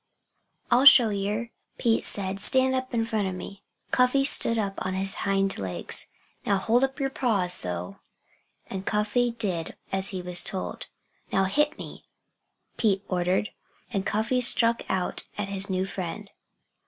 "I'll show yer," Pete said. "Stand up in front of me." Cuffy stood up on his hind legs. "Now, hold up yer paws so." And Cuffy did as he was told. "Now hit me!" Pete ordered. And Cuffy struck out at his new friend.